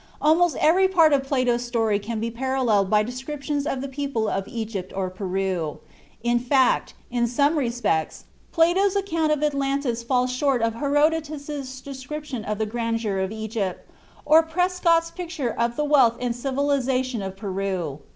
Almost every part of Plato's story can be paralleled by descriptions of the people of Egypt or Peru; in fact, in some respects Plato's account of Atlantis falls short of Herodotus's description of the grandeur of Egypt, or Prescott's picture of the wealth and civilization of Peru.